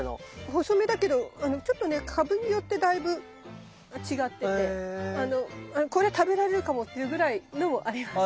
細めだけど株によってだいぶ違っててこれ食べられるかもっていうぐらいのもあります。